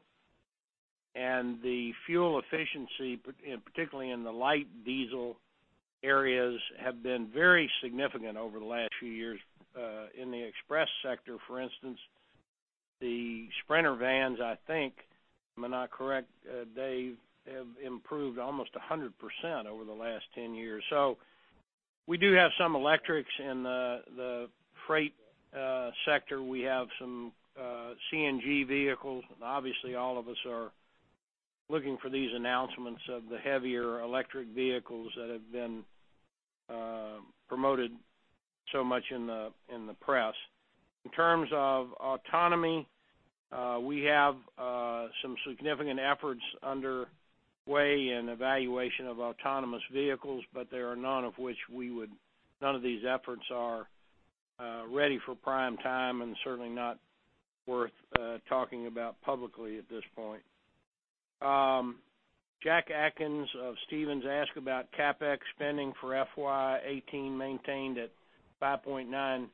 The fuel efficiency, particularly in the light diesel areas, have been very significant over the last few years. In the express sector, for instance, the Sprinter vans, I think, am I not correct, Dave, have improved almost 100% over the last 10 years. We do have some electrics in the freight sector. We have some CNG vehicles. Obviously, all of us are looking for these announcements of the heavier electric vehicles that have been promoted so much in the press. In terms of autonomy, we have some significant efforts underway in evaluation of autonomous vehicles, none of these efforts are ready for prime time and certainly not worth talking about publicly at this point. Jack Atkins of Stephens asked about CapEx spending for FY 2018 maintained at $5.9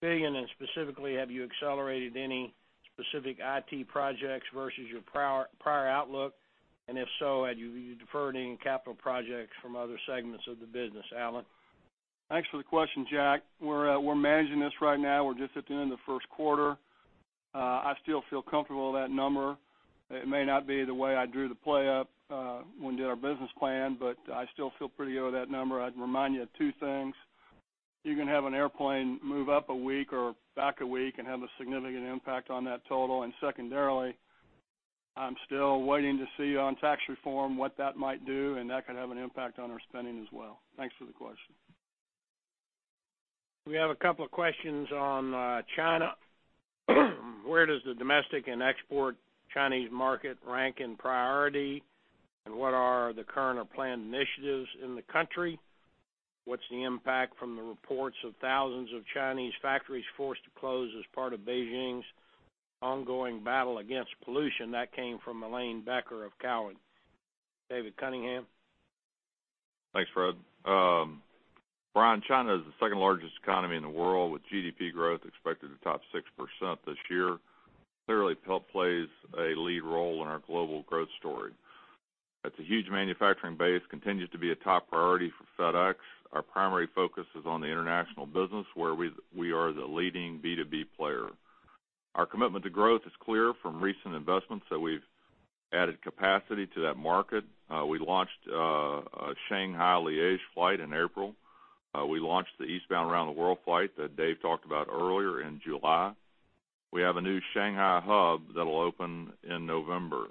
billion, and specifically have you accelerated any specific IT projects versus your prior outlook, and if so, have you deferred any capital projects from other segments of the business? Alan? Thanks for the question, Jack. We're managing this right now. We're just at the end of the first quarter. I still feel comfortable with that number. It may not be the way I drew the play up when we did our business plan, I still feel pretty good with that number. I'd remind you of two things. You can have an airplane move up a week or back a week and have a significant impact on that total. Secondarily, I'm still waiting to see on tax reform what that might do, and that could have an impact on our spending as well. Thanks for the question. We have a couple of questions on China. Where does the domestic and export Chinese market rank in priority? What are the current or planned initiatives in the country? What's the impact from the reports of 1,000s of Chinese factories forced to close as part of Beijing's ongoing battle against pollution? That came from Helane Becker of Cowen. David Cunningham? Thanks, Fred. Brian, China is the second largest economy in the world, with GDP growth expected to top 6% this year. Clearly plays a lead role in our global growth story. That's a huge manufacturing base, continues to be a top priority for FedEx. Our primary focus is on the international business, where we are the leading B2B player. Our commitment to growth is clear from recent investments that we've added capacity to that market. We launched a Shanghai-Liege flight in April. We launched the eastbound Around the World flight that Dave talked about earlier in July. We have a new Shanghai hub that'll open in November.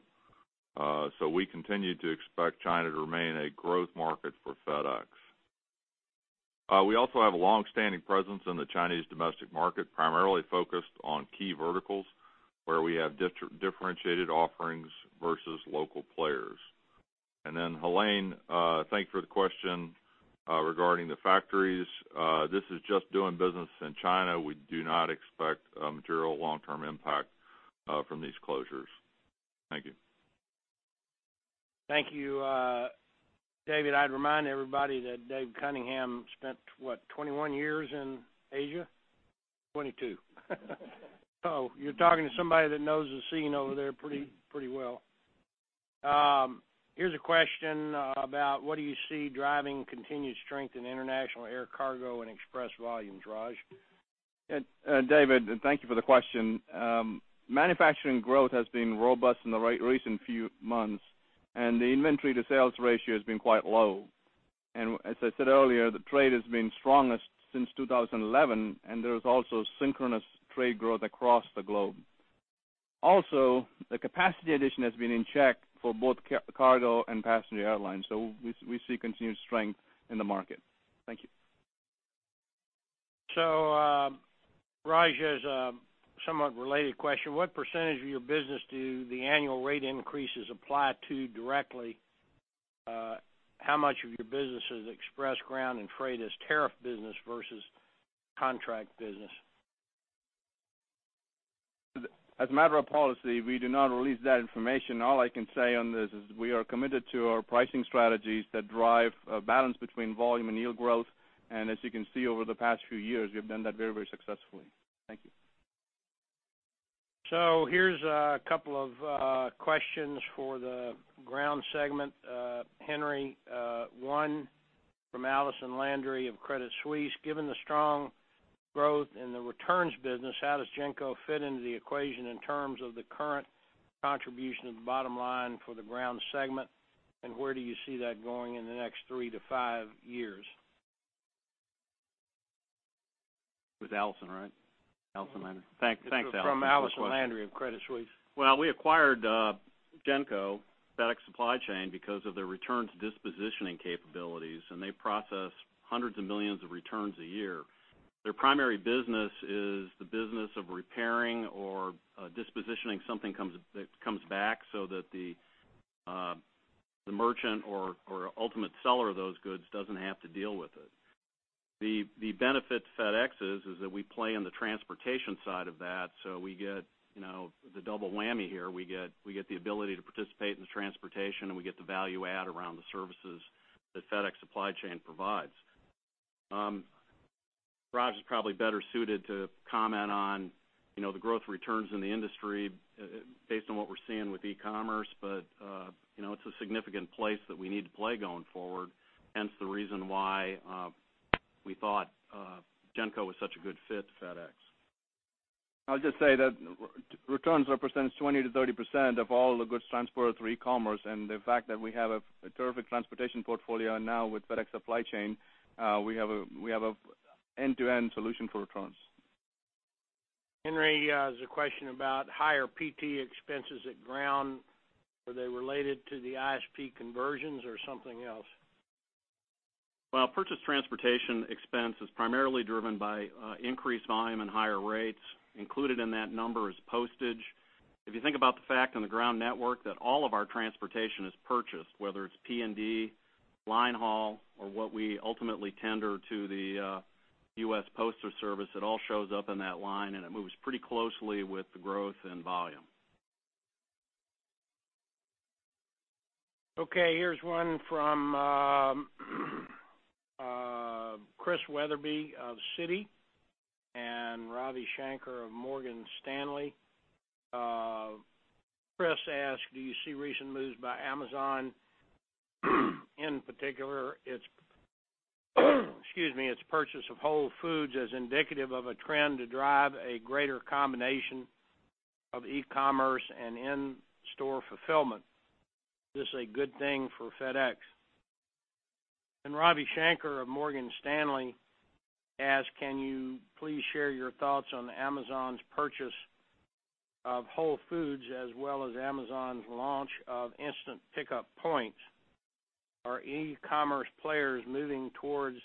We continue to expect China to remain a growth market for FedEx. We also have a longstanding presence in the Chinese domestic market, primarily focused on key verticals where we have differentiated offerings versus local players. Helane, thanks for the question regarding the factories. This is just doing business in China. We do not expect a material long-term impact from these closures. Thank you. Thank you, David. I'd remind everybody that David Cunningham spent, what? 21 years in Asia? 22. You're talking to somebody that knows the scene over there pretty well. Here's a question about what do you see driving continued strength in international air cargo and express volumes, Raj? David, thank you for the question. Manufacturing growth has been robust in the recent few months, the inventory to sales ratio has been quite low. As I said earlier, the trade has been strongest since 2011, there is also synchronous trade growth across the globe. The capacity addition has been in check for both cargo and passenger airlines, we see continued strength in the market. Thank you. Raj has a somewhat related question. What percentage of your business do the annual rate increases apply to directly? How much of your business is Express, Ground, and Freight as tariff business versus contract business? As a matter of policy, we do not release that information. All I can say on this is we are committed to our pricing strategies that drive a balance between volume and yield growth. As you can see over the past few years, we've done that very successfully. Thank you. Here is a couple of questions for the Ground segment. Henry, one from Allison Landry of Credit Suisse. Given the strong growth in the returns business, how does GENCO fit into the equation in terms of the current contribution to the bottom line for the Ground segment? Where do you see that going in the next three to five years? With Allison, right? Allison Landry. Thanks, Allison, for the question. From Allison Landry of Credit Suisse. We acquired GENCO FedEx Supply Chain because of their returns dispositioning capabilities, and they process hundreds of millions of returns a year. Their primary business is the business of repairing or dispositioning something that comes back so that the merchant or ultimate seller of those goods doesn't have to deal with it. The benefit to FedEx is that we play in the transportation side of that, so we get the double whammy here. We get the ability to participate in the transportation, and we get the value add around the services that FedEx Supply Chain provides. Raj is probably better suited to comment on the growth returns in the industry based on what we're seeing with e-commerce, but it's a significant place that we need to play going forward, hence the reason why we thought GENCO was such a good fit to FedEx. I'll just say that returns represents 20%-30% of all the goods transported through e-commerce, the fact that we have a terrific transportation portfolio now with FedEx Supply Chain, we have an end-to-end solution for returns. Henry has a question about higher PT expenses at Ground. Were they related to the ISP conversions or something else? Well, purchase transportation expense is primarily driven by increased volume and higher rates. Included in that number is postage. If you think about the fact on the Ground network that all of our transportation is purchased, whether it's P&D, line haul, or what we ultimately tender to the US Postal Service, it all shows up in that line, it moves pretty closely with the growth and volume. Okay, here's one from Chris Wetherbee of Citi and Ravi Shanker of Morgan Stanley. Chris asks, "Do you see recent moves by Amazon, in particular its purchase of Whole Foods, as indicative of a trend to drive a greater combination of e-commerce and in-store fulfillment? Is this a good thing for FedEx?" Ravi Shanker of Morgan Stanley asks, "Can you please share your thoughts on Amazon's purchase of Whole Foods, as well as Amazon's launch of Instant Pickup points? Are e-commerce players moving towards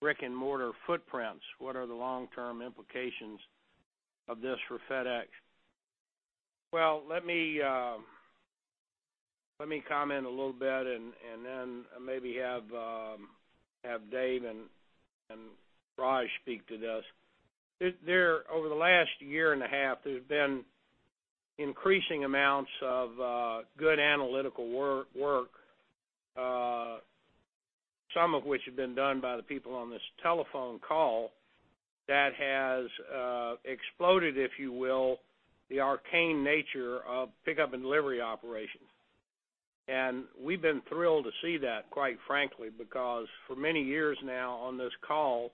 brick-and-mortar footprints? What are the long-term implications of this for FedEx?" Well, let me comment a little bit, then maybe have Dave and Raj speak to this. Over the last year and a half, there's been increasing amounts of good analytical work, some of which have been done by the people on this telephone call that has exploded, if you will, the arcane nature of pickup and delivery operations. We've been thrilled to see that, quite frankly, because for many years now on this call,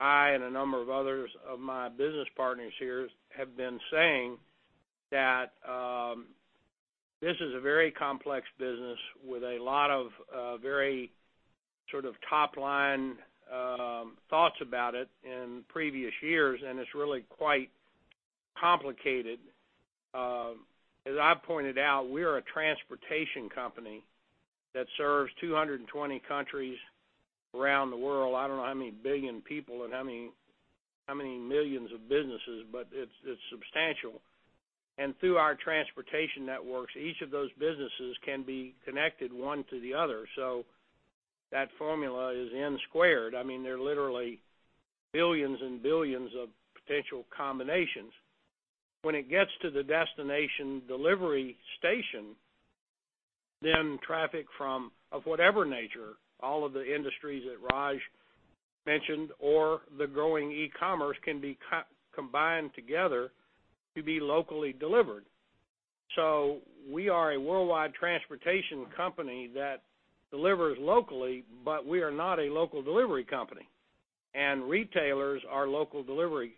I and a number of others of my business partners here have been saying that this is a very complex business with a lot of very top-line thoughts about it in previous years, and it's really quite complicated. As I pointed out, we are a transportation company that serves 220 countries around the world. I don't know how many billion people and how many millions of businesses, but it's substantial. Through our transportation networks, each of those businesses can be connected one to the other. That formula is N squared. There are literally billions and billions of potential combinations. When it gets to the destination delivery station, traffic of whatever nature, all of the industries that Raj mentioned or the growing e-commerce can be combined together to be locally delivered. We are a worldwide transportation company that delivers locally, but we are not a local delivery company. Retailers are local delivery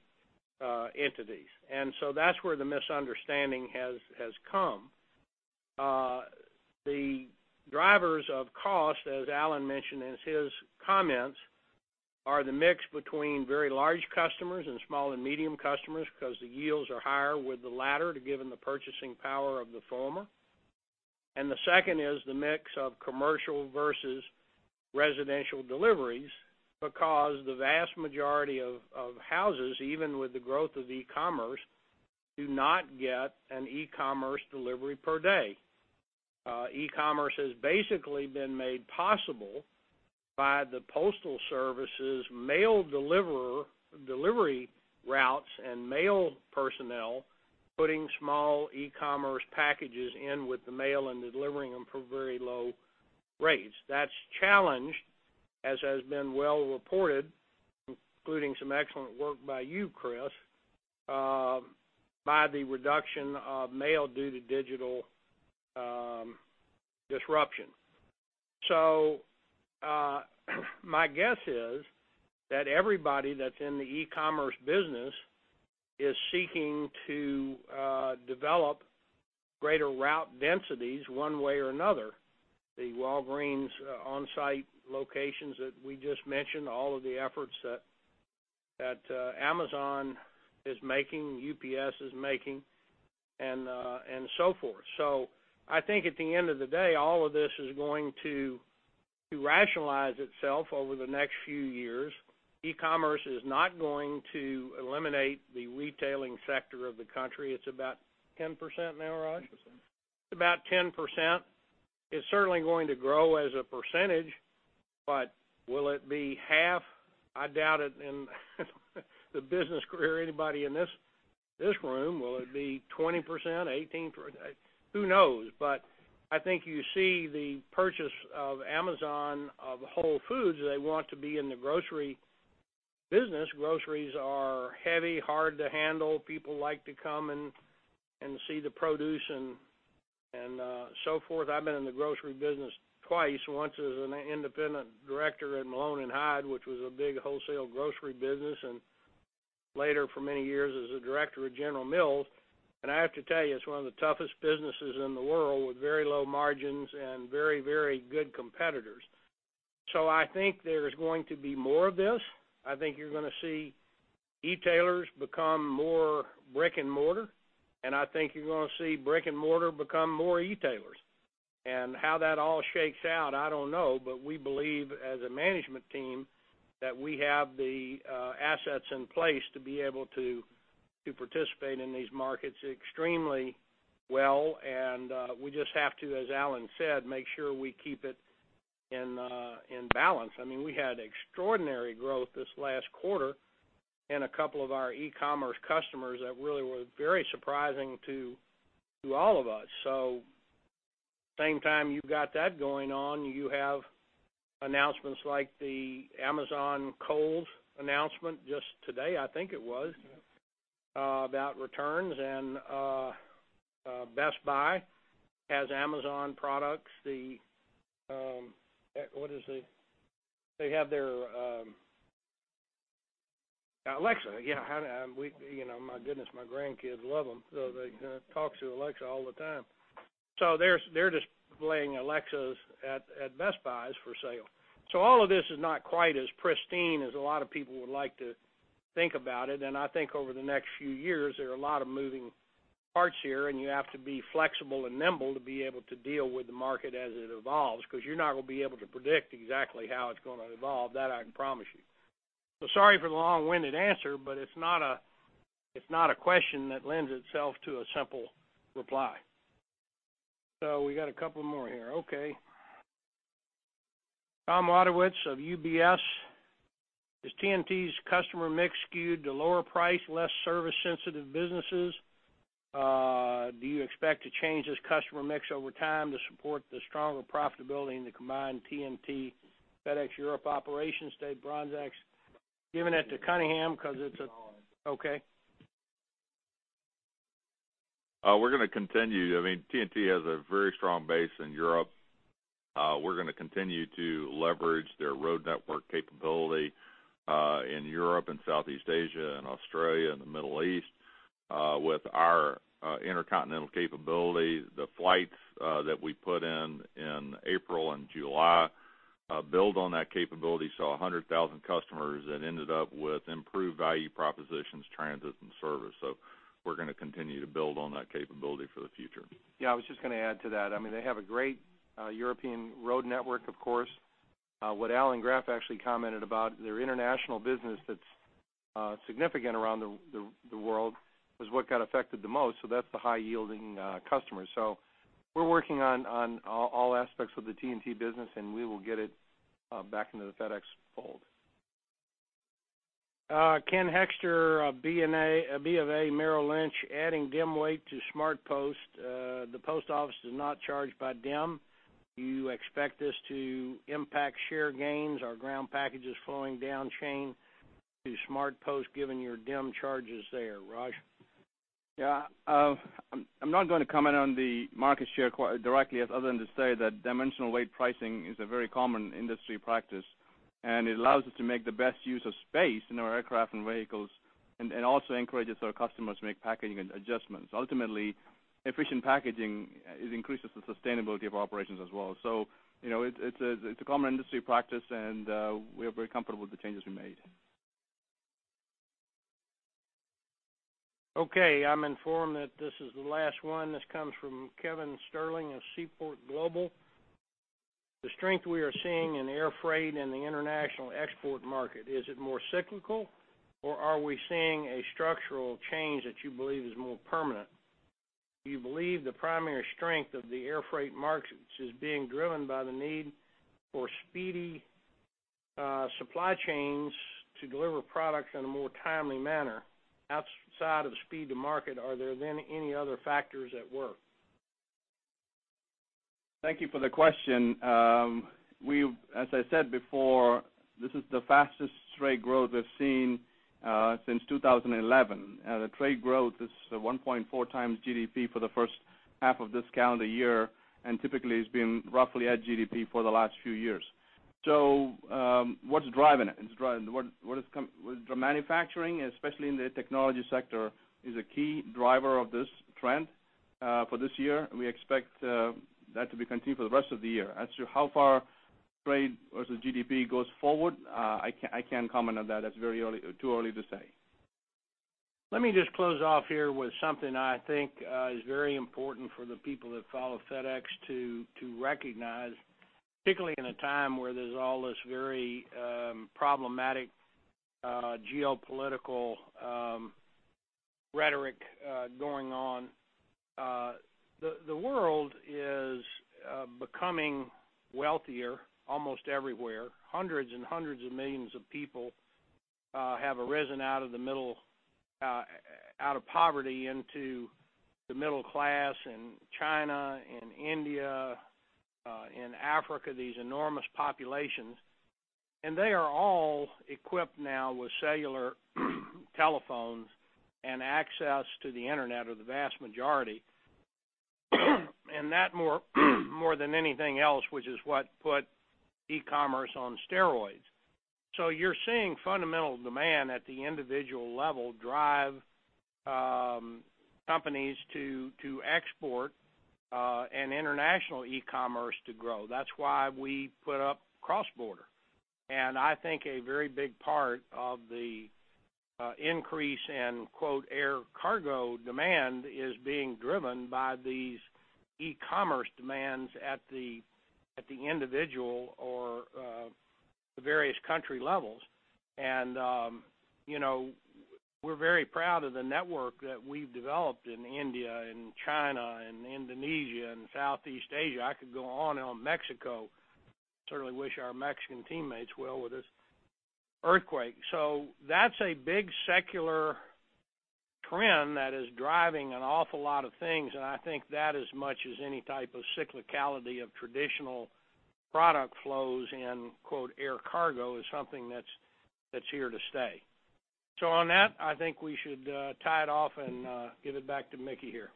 entities. That's where the misunderstanding has come. The drivers of cost, as Alan mentioned in his comments, are the mix between very large customers and small and medium customers because the yields are higher with the latter to given the purchasing power of the former. The second is the mix of commercial versus residential deliveries because the vast majority of houses, even with the growth of e-commerce, do not get an e-commerce delivery per day. E-commerce has basically been made possible by the postal service's mail delivery routes and mail personnel putting small e-commerce packages in with the mail and delivering them for very low rates. That's challenged, as has been well reported, including some excellent work by you, Chris, by the reduction of mail due to digital disruption. My guess is that everybody that's in the e-commerce business is seeking to develop greater route densities one way or another. The Walgreens OnSite locations that we just mentioned, all of the efforts that Amazon is making, UPS is making, and so forth. I think at the end of the day, all of this is going to rationalize itself over the next few years. E-commerce is not going to eliminate the retailing sector of the country. It's about 10% now, Raj? 10%. It's about 10%. It's certainly going to grow as a percentage, but will it be half? I doubt it in the business career anybody in this room. Will it be 20%, 18%? Who knows? I think you see the purchase of Amazon of Whole Foods. They want to be in the grocery business. Groceries are heavy, hard to handle. People like to come and see the produce and so forth. I've been in the grocery business twice, once as an independent director at Malone & Hyde, which was a big wholesale grocery business, and later for many years as a director at General Mills. I have to tell you, it's one of the toughest businesses in the world with very low margins and very good competitors. I think there's going to be more of this. I think you're going to see e-tailers become more brick and mortar, I think you're going to see brick and mortar become more e-tailers. How that all shakes out, I don't know. We believe as a management team that we have the assets in place to be able to participate in these markets extremely well. We just have to, as Alan said, make sure we keep it in balance. We had extraordinary growth this last quarter in a couple of our e-commerce customers that really were very surprising to all of us. Same time you got that going on, you have announcements like the Amazon Kohl's announcement just today, I think it was. Yes. About returns, Best Buy has Amazon products. They have their Alexa. My goodness, my grandkids love them. They talk to Alexa all the time. They're just laying Alexas at Best Buy for sale. All of this is not quite as pristine as a lot of people would like to think about it. I think over the next few years, there are a lot of moving parts here, and you have to be flexible and nimble to be able to deal with the market as it evolves because you're not going to be able to predict exactly how it's going to evolve. That I can promise you. Sorry for the long-winded answer, but it's not a question that lends itself to a simple reply. We got a couple more here. Okay. Tom Wadewitz of UBS. Is TNT's customer mix skewed to lower price, less service sensitive businesses? Do you expect to change this customer mix over time to support the stronger profitability in the combined TNT FedEx Europe operations? Dave Bronczek. Giving that to Cunningham. No. Okay. TNT has a very strong base in Europe. We're going to continue to leverage their road network capability in Europe and Southeast Asia and Australia and the Middle East with our intercontinental capability. The flights that we put in in April and July build on that capability, saw 100,000 customers that ended up with improved value propositions, transit, and service. We're going to continue to build on that capability for the future. Yeah, I was just going to add to that. They have a great European road network, of course. What Alan Graf actually commented about their international business that's significant around the world was what got affected the most. That's the high yielding customers. We're working on all aspects of the TNT business, and we will get it back into the FedEx fold. Ken Hoexter of BofA Merrill Lynch. Adding DIM weight to SmartPost, the post office does not charge by DIM. Do you expect this to impact share gains? Are Ground packages flowing down chain? the SmartPost, given your DIM charges there, Raj? Yeah. I'm not going to comment on the market share quite directly, other than to say that dimensional weight pricing is a very common industry practice. It allows us to make the best use of space in our aircraft and vehicles, and also encourages our customers to make packaging adjustments. Ultimately, efficient packaging, it increases the sustainability of operations as well. It's a common industry practice, and we're very comfortable with the changes we made. Okay, I'm informed that this is the last one. This comes from Kevin Sterling of Seaport Global. The strength we are seeing in air freight in the international export market, is it more cyclical, or are we seeing a structural change that you believe is more permanent? Do you believe the primary strength of the air freight markets is being driven by the need for speedy supply chains to deliver products in a more timely manner? Outside of speed to market, are there then any other factors at work? Thank you for the question. As I said before, this is the fastest trade growth we've seen since 2011. The trade growth is 1.4 times GDP for the first half of this calendar year, and typically it's been roughly at GDP for the last few years. What's driving it? Manufacturing, especially in the technology sector, is a key driver of this trend for this year. We expect that to be continued for the rest of the year. As to how far trade versus GDP goes forward, I can't comment on that. That's too early to say. Let me just close off here with something I think is very important for the people that follow FedEx to recognize, particularly in a time where there's all this very problematic geopolitical rhetoric going on. The world is becoming wealthier almost everywhere. Hundreds of millions of people have arisen out of poverty into the middle class in China, in India, in Africa, these enormous populations. They are all equipped now with cellular telephones and access to the internet, or the vast majority. That more than anything else, which is what put e-commerce on steroids. You're seeing fundamental demand at the individual level drive companies to export and international e-commerce to grow. That's why we put up cross-border. I think a very big part of the increase in, quote, "air cargo demand" is being driven by these e-commerce demands at the individual or the various country levels. We're very proud of the network that we've developed in India and China and Indonesia and Southeast Asia. I could go on Mexico. Certainly wish our Mexican teammates well with this earthquake. That's a big secular trend that is driving an awful lot of things, I think that as much as any type of cyclicality of traditional product flows in, quote, "air cargo" is something that's here to stay. On that, I think we should tie it off and give it back to Mickey here.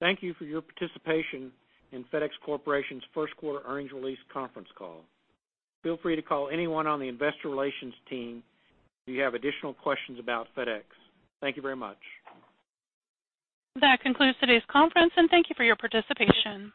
Thank you for your participation in FedEx Corporation's first quarter earnings release conference call. Feel free to call anyone on the investor relations team if you have additional questions about FedEx. Thank you very much. That concludes today's conference, and thank you for your participation.